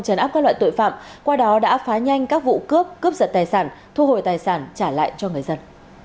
trấn áp các loại tội phạm qua đó đã phá nhanh các vụ cướp cướp giật tài sản thu hồi tài sản trả lại cho người dân